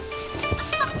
あっ。